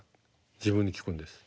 自分に聞くんです。